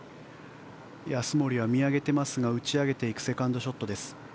安森は見上げてますが打ち上げていくセカンドショットです。